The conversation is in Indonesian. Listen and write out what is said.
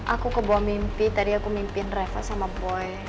aku kebawa mimpi tadi aku mimpiin reva sama boy